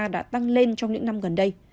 đã tăng lên trong những năm gần đây